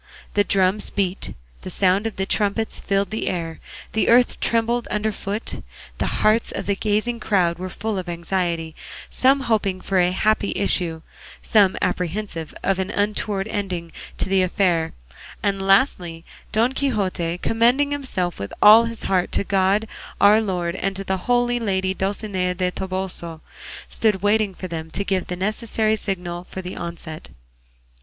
The drums beat, the sound of the trumpets filled the air, the earth trembled under foot, the hearts of the gazing crowd were full of anxiety, some hoping for a happy issue, some apprehensive of an untoward ending to the affair, and lastly, Don Quixote, commending himself with all his heart to God our Lord and to the lady Dulcinea del Toboso, stood waiting for them to give the necessary signal for the onset.